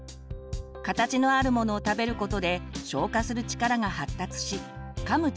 形のあるものを食べることで消化する力が発達しかむ